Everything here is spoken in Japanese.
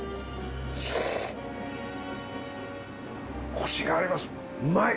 コシがありますうまい！